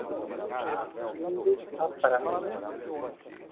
Findo o prazo